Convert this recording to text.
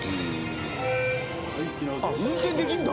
「運転できるんだ！」